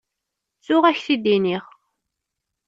Ttuɣ ad ak-t-id-iniɣ.